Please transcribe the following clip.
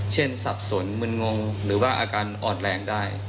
สับสนมึนงงหรือว่าอาการอ่อนแรงได้